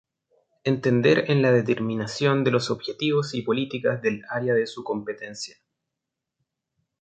Entender en la determinación de los objetivos y políticas del área de su competencia.